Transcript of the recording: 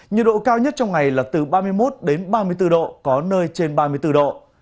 nhiệt độ cao nhất trong ngày là từ ba mươi một ba mươi bốn độ có nơi trên ba mươi bốn độ